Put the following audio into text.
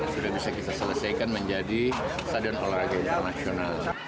sudah bisa kita selesaikan menjadi stadion olahraga internasional